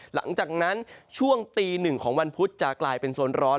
หลังจากนั้นช่วงตีหนึ่งของวันพุธจะกลายเป็นโซนร้อน